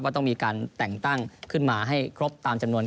ต้องมีการแต่งตั้งขึ้นมาให้ครบตามจำนวน